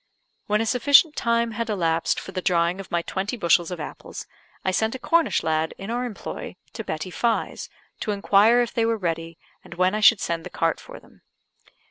When a sufficient time had elapsed for the drying of my twenty bushels of apples, I sent a Cornish lad, in our employ, to Betty Fye's, to inquire if they were ready, and when I should send the cart for them.